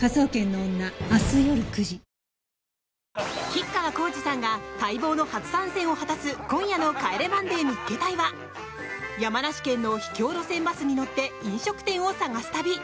吉川晃司さんが待望の初参戦を果たす今夜の「帰れマンデー見っけ隊！！」は山梨県の秘境路線バスに乗って飲食店を探す旅。